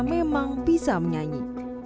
memang bisa menyanyi